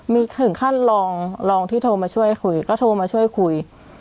มีถึงขั้นลองที่โทรมาช่วยคุยก็โทรมาช่วยคุย